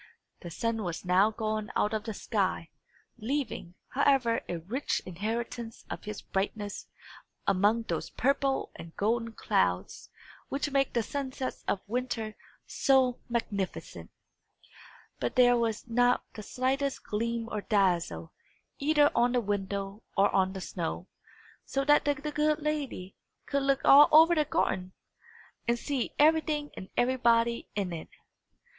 The sun was now gone out of the sky, leaving, however, a rich inheritance of his brightness among those purple and golden clouds which make the sunsets of winter so magnificent. But there was not the slightest gleam or dazzle, either on the window or on the snow; so that the good lady could look all over the garden, and see everything and everybody in it.